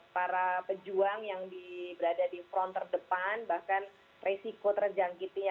para pejuang yang berada di front terdepan bahkan resiko terjangkitinya